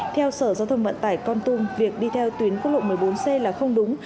theo sở giao thông vận tải con tum việc đi theo tuyến quốc lộ một mươi bốn c là không đúng